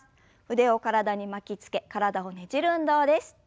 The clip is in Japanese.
腕を体に巻きつけ体をねじる運動です。